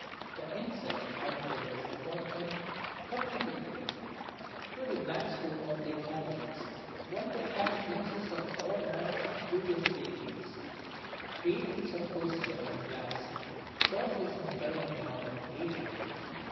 The insult added to the disappointment cut me to the quick. Through the glass doors of their cabinets one could catch glimpses of all manner of curious playthings creations of porcelain and glass gorgeous in colouring and ornamentation.